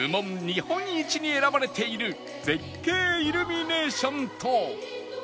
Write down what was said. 日本一に選ばれている絶景イルミネーションと